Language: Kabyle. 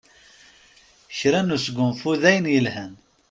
Kra n usgunfu d ayen yelhan.